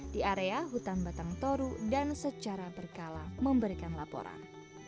di area hutan batang toru dan secara berkala memberikan laporan